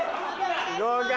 合格。